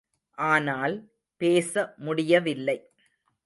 ஆனால், பேச முடியவில்லை.